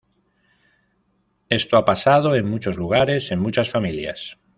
Esto ha pasado en muchos lugares, en muchas familias.